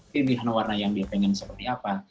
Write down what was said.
pilihan warna yang dia pengen seperti apa